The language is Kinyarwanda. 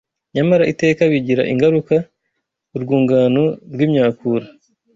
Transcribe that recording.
Nyamara iteka bigira ingaruka. Urwungano rw’imyakura